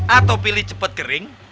atau pilih cepet kering